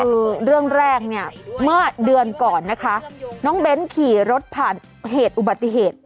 คือเรื่องแรกเนี่ยเมื่อเดือนก่อนนะคะน้องเบ้นขี่รถผ่านเหตุอุบัติเหตุ